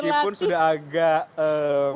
meskipun sudah agak